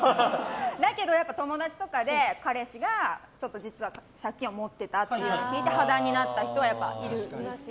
だけど、友達とかで彼氏が実は借金を持ってたというのを聞いて破談になった人はいる、実際。